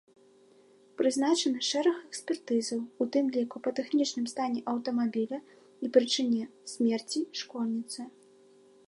Прызначаны шэраг экспертызаў, у тым ліку па тэхнічным стане аўтамабіля і прычыне смерці школьніцы.